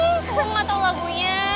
gue gak tau lagunya